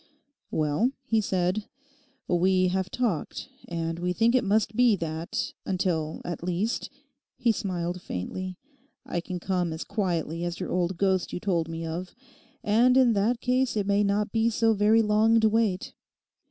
'Well,' he said, 'we have talked, and we think it must be that, until, at least,' he smiled faintly, 'I can come as quietly as your old ghost you told me of; and in that case it may not be so very long to wait.